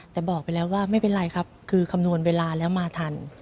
แต่บอกไปแล้วว่าไม่เป็นไรครับคือคำนวณเวลาแล้วมาทัน